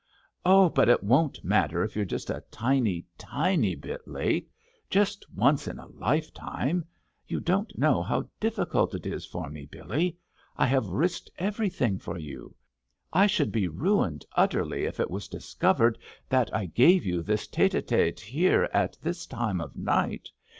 "Oh, but it won't matter if you're just a tiny, tiny bit late—just once in a lifetime! You don't know how difficult it is for me, Billy. I have risked everything for you! I should be ruined utterly if it was discovered that I gave you this tête à tête here at this time of night....